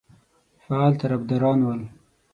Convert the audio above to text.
فعال طرفداران ول.